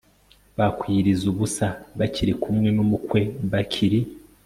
bakwiyiriza ubusa bakiri kumwe n umukwe Bakiri